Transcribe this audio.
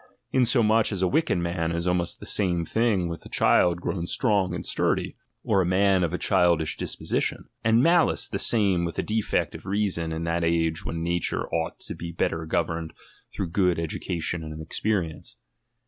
Insomuch as a wicked man is almost the same thing with a child grown strong and sturdy, or a man of a childish disposition ; and .analice the same with a defect of reason in that ■ge when nature ought to be better governed through good education and experience.